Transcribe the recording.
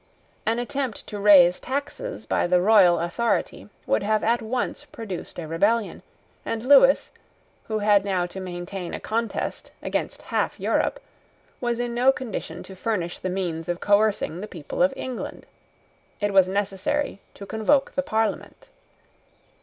An attempt to raise taxes by the royal authority would have at once produced a rebellion; and Lewis, who had now to maintain a contest against half Europe, was in no condition to furnish the means of coercing the people of England. It was necessary to convoke the Parliament.